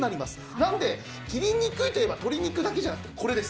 なので切りにくいといえば鶏肉だけでなくこれです。